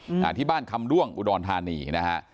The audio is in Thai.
อ่าที่บ้านคำด้วงอุดรธานีนะฮะ